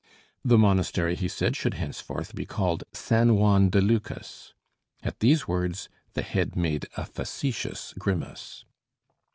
The monastery, he said, should henceforth be called "San Juan de Lucas." At these words the head made a facetious grimace.